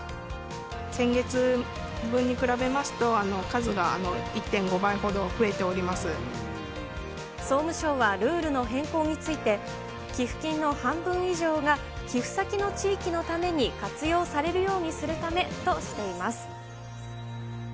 先月分に比べますと、総務省はルールの変更について、寄付金の半分以上が寄付先の地域のために活用されるようにするためとしています。